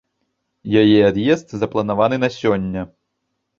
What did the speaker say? Яе ад'езд запланаваны на сёння.